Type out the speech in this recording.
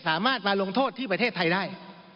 สามารถมาลงโทษที่ประเทศไทยได้